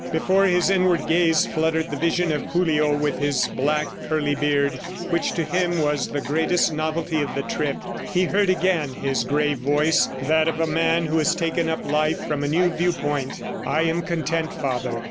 Before his inward gaze fluttered the vision of Julio with his black, curly beard which to him was the greatest novelty of the trip. He heard again his grave voice, that of a man who has taken up life from a new viewpoint. "I am content, father